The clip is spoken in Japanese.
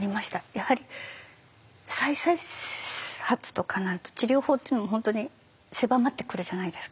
やはり再々再発とかになると治療法っていうのも本当に狭まってくるじゃないですか。